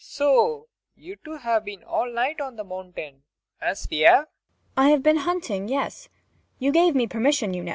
] So you, too, have been all night on the mountain, as we have? MAIA. I have been hunting yes. You gave me permission, you know.